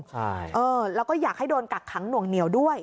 ใช่แล้วก็อยากให้โดนกักขังหน่วงเหนียวด้วย